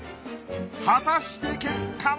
果たして結果は！？